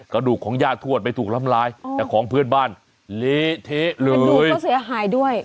กระดูกของญาติทวดไปถูกลำลายอ๋อแต่ของเพื่อนบ้านหลีเทหลุยกระดูกก็เสียหายด้วย